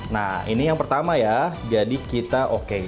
nah ini yang pertama ya jadi kita oke